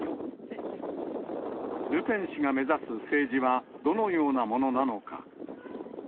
ルペン氏が目指す政治はどのようなものなのか。